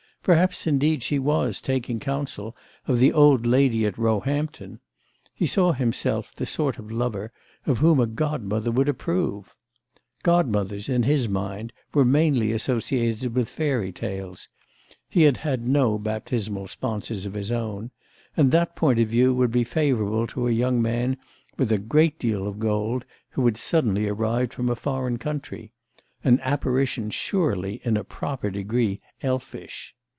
Perhaps indeed she was taking counsel of the old lady at Roehampton: he saw himself the sort of lover of whom a godmother would approve. Godmothers, in his mind, were mainly associated with fairy tales—he had had no baptismal sponsors of his own; and that point of view would be favourable to a young man with a great deal of gold who had suddenly arrived from a foreign country—an apparition surely in a proper degree elfish.